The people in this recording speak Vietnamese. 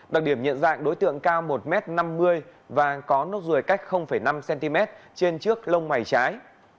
đặc điểm nhận dạng đối tượng cao một m năm mươi và có nốt ruồi cách năm cm trên trước lông mày trái